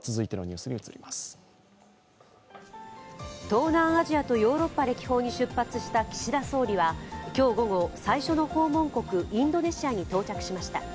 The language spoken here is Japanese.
東南アジアとヨーロッパ歴訪に出発した岸田総理は、今日午後、最初の訪問国、インドネシアに到着しました。